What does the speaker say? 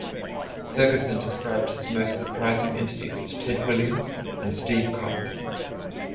Ferguson described his most surprising interviews as Ted Williams and Steve Carlton.